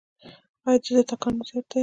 ایا د زړه ټکان مو زیات دی؟